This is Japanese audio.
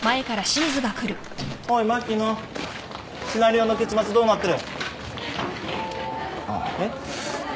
シナリオの結末どうなってる？あっ。えっ？